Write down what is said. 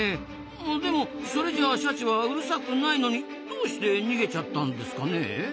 でもそれじゃあシャチはうるさくないのにどうして逃げちゃったんですかねえ？